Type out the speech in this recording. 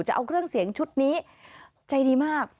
จะเอาเครื่องเสียงชุดนี้ใจดีมาก